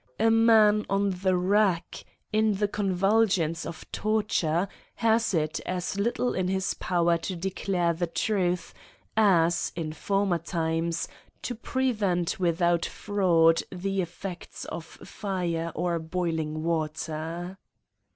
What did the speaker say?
A man on the rack, in the convulsions of torture, has it as little in his power to declare the truth, as, in former times, to prevent without fraud the effects of fire or boiling water.